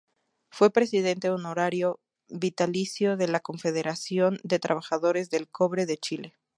Fue presidente honorario vitalicio de la Confederación de Trabajadores del Cobre de Chile.